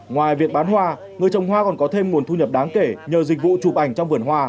ngoài việc bán hoa người trồng hoa còn có thêm nguồn thu nhập đáng kể nhờ dịch vụ chụp ảnh trong vườn hoa